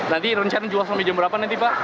nanti rencana jual sampai jam berapa nanti pak